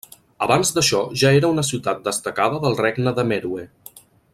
Abans d'això ja era una ciutat destacada del regne de Meroe.